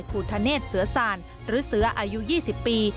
ภูทะเนศเสือสานหรือเสืออายุ๒๐ปี